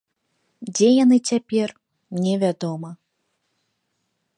Дзе яны цяпер, невядома.